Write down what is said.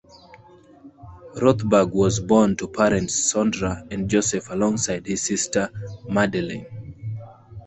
Rothberg was born to parents Sondra and Joseph alongside his sister Madeleine.